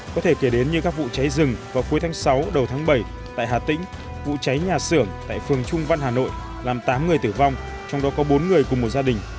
có thể kể đến như các vụ cháy rừng vào cuối tháng sáu đầu tháng bảy tại hà tĩnh vụ cháy nhà xưởng tại phường trung văn hà nội làm tám người tử vong trong đó có bốn người cùng một gia đình